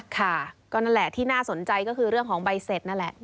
ค่ะก็นั่นแหละที่น่าสนใจก็คือเรื่องของใบเสร็จนั่นแหละ